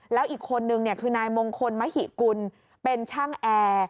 แล้วอีกคนนึงคือนายมงคลมหิกุลเป็นช่างแอร์